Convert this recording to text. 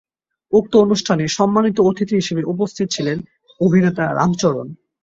উক্ত অনুষ্ঠানে সম্মানিত অতিথি হিসাবে উপস্থিত ছিলেন অভিনেতা রাম চরণ।